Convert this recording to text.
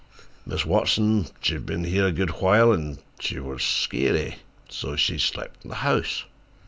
Mis' Watson, she've bin here a good while, an' she warn' skeery. So she slep' in the house.